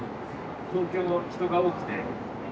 東京は人が多くて。